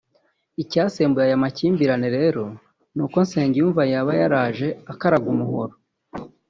Icyasembuye aya makimbirane rero ni uko Nsengiyumva yaba yaraje akaraga umuhoro